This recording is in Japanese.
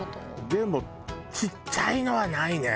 でもちっちゃいのはないね。